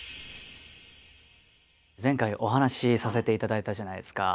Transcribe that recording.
前回お話しさせていただいたじゃないですか。